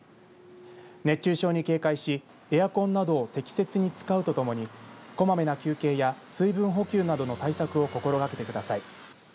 熱中症に警戒しエアコンなどを適切に使うとともにこまめな休憩や水分補給などの対策を心がけてください。